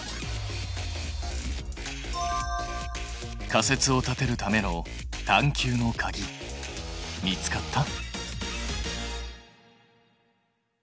仮説を立てるための探究のかぎ見つかった？